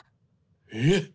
えっ？